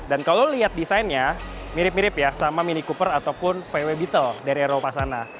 dan kalau dilihat desainnya mirip mirip ya sama mini cooper ataupun vw beetle dari eropa sana